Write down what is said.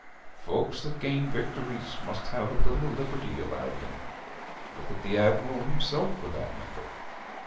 Folks that gain victories must have a little liberty allowed 'em. Look at the Admiral himself, for that matter.'